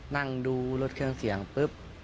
นั่งดูรถเครื่องเสียงปุ๊บ